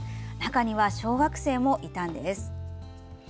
中には小学生もいたんです。